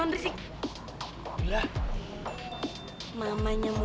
sensei selamat ya